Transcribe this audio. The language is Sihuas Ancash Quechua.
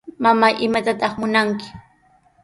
Mamay, ¿imatataq munanki?